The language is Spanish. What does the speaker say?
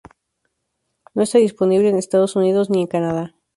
No está disponible en Estados Unidos ni en Canadá.